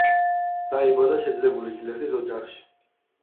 დაიბადა შეძლებული გლეხის ოჯახში.